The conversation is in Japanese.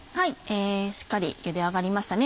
しっかりゆで上がりましたね。